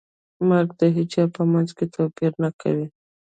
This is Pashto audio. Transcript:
مرګ د هیچا په منځ کې توپیر نه کوي.